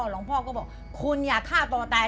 หลวงพ่อก็บอกคุณอย่าฆ่าตัวตาย